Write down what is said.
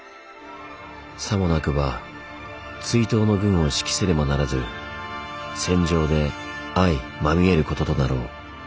さもなくば追討の軍を指揮せねばならず戦場で相まみえることとなろう」。